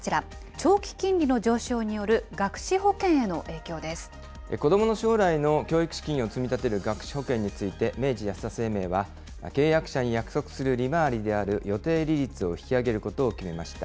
長期金利の上昇による学資保険へ子どもの将来の教育資金を積み立てる学資保険について、明治安田生命は、契約者に約束する利回りである予定利率を引き上げることを決めました。